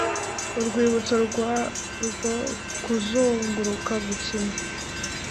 Urwibutso rwarwo kuzunguruka gukina